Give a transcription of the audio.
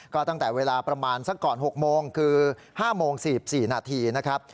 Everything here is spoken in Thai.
ก็ตั้งแต่เวลาประมาณสักก่อน๖โมงคือ๕โมง๔๔นาทีนะครับ